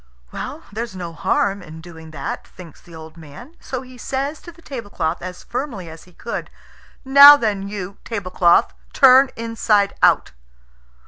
"There's no harm in doing that," thinks the old man; so he says to the tablecloth as firmly as he could, "Now then you, tablecloth, turn inside out!"